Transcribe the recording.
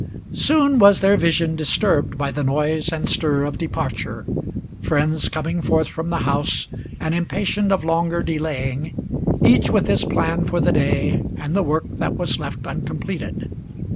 Soon was their vision disturbed by the noise and stir of departure, Friends coming forth from the house, and impatient of longer delaying, Each with his plan for the day, and the work that was left uncompleted.